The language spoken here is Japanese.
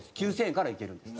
９０００円からいけるんです。